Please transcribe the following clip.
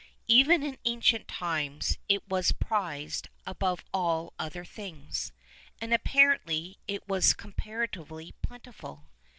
Even in ancient times it was prized above all other things, and apparently it was comparatively plentiful.